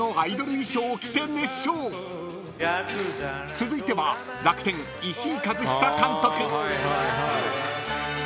［続いては楽天石井一久監督］